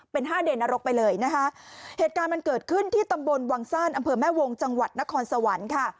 เป็นห้าเด่นนรกไปเลยนะคะเหตุการณ์มันเกิดขึ้นที่ตำบลวังซ่านอำเภอแม่วงจังหวัดนครสวรรค์ค่ะ